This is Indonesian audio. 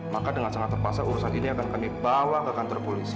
maka dengan sangat terpaksa urusan ini akan kami bawa ke kantor polisi